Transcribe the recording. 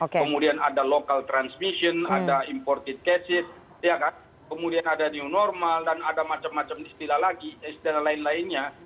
kemudian ada local transmission ada imported cases kemudian ada new normal dan ada macam macam istilah lain lainnya